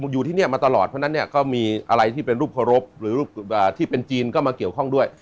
อยู่ที่นี่มาตลอดเพราะฉะนั้นเนี่ยก็มีอะไรที่เป็นรูปเคารพหรือที่เป็นจีนก็มาเกี่ยวข้องด้วย